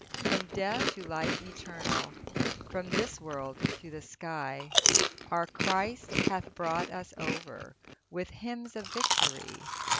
From death to life eternal, From this world to the sky, Our Christ hath brought us over, With hymns of victory.